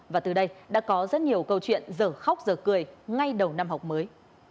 và từ đây đã có rất nhiều câu chuyện dở khóc giờ cười ngay đầu năm học mới